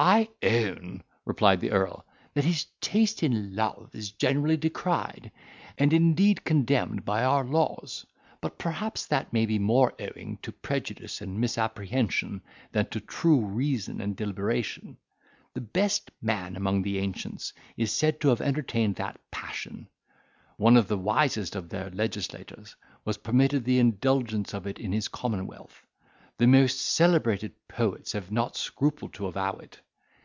"I own," replied the earl, "that his taste in love is generally decried, and indeed condemned by our laws; but perhaps that may be more owing to prejudice and misapprehension than to true reason and deliberation. The best man among the ancients is said to have entertained that passion; one of the wisest of their legislators has permitted the indulgence of it in his commonwealth; the most celebrated poets have not scrupled to avow it.